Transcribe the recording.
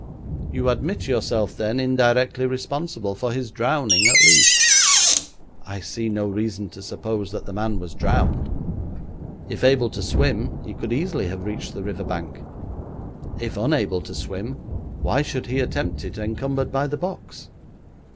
'You admit yourself, then, indirectly responsible for his drowning, at least?' 'I see no reason to suppose that the man was drowned. If able to swim he could easily have reached the river bank. If unable to swim, why should he attempt it encumbered by the box?'